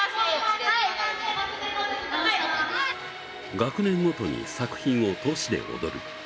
学年ごとに作品を通しで踊る。